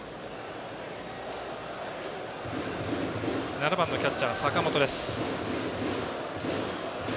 ７番のキャッチャー、坂本です。